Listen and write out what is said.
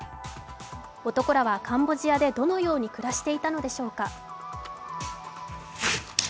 男らはカンボジアでどのように暮らしていたのでしょうか。